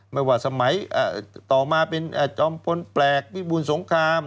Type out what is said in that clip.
ไม่ว่าสมัยต่อมาเป็นจอมพลแปลกวิบูรสงคราม